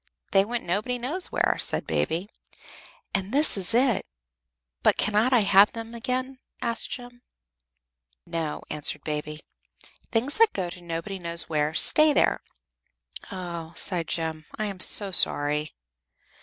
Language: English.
"They went Nobody knows where," said Baby. "And this is it." "But cannot I have them again?" asked Jem. "No," answered Baby. "Things that go to Nobody knows where stay there." "Oh!" sighed Jem, "I am so sorry."